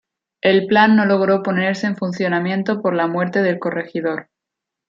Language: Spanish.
El plan no logró ponerse en funcionamiento por la muerte del corregidor.